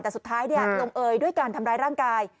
แต่สุดท้ายลงเอยด้วยการทำร้ายร่างกาย